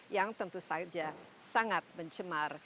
yang tentu saja sangat mencemar